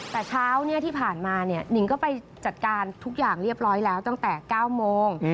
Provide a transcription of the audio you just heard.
แต่เช้าที่ผ่านมานิงก็ไปจัดการทุกอย่างเรียบร้อยแล้วตั้งแต่๙โมง